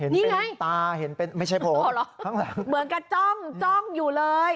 เห็นเป็นตาเห็นเป็นไม่ใช่ผมเหมือนกับจ้องจ้องอยู่เลย